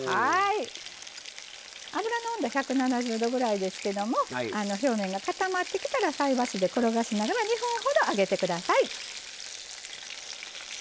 油の温度は１７０度くらいですけども表面が固まってきたら、菜箸で転がしながら２分ほど揚げてください。